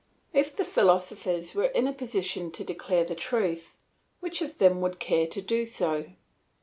If the philosophers were in a position to declare the truth, which of them would care to do so?